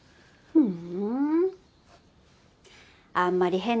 うん。